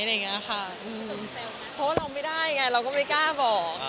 เพราะว่าเราไม่ได้ไงเราก็ไม่กล้าบอก